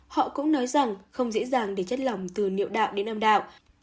họ cũng nói rằng không dễ dàng để chất lỏng từ niệm đạo đến âm đạo